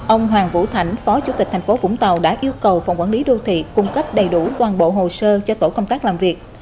ông hoàng vũ thành phó chủ tịch thành phố vũng tàu đã yêu cầu phòng quản lý đô thị cung cấp đầy đủ toàn bộ hồ sơ cho tổ công tác làm việc